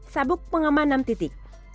sabuk pengaman enam titik